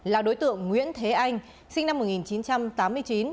là đối tượng nguyễn thế anh sinh năm một nghìn chín trăm tám mươi chín